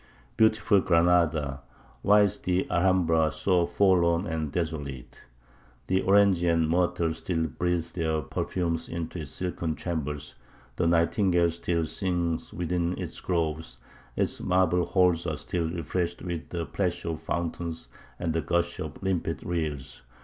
Beautiful Granada! why is the Alhambra so forlorn and desolate? The orange and myrtle still breathe their perfumes into its silken chambers; the nightingale still sings within its groves; its marble halls are still refreshed with the plash of fountains and the gush of limpid rills!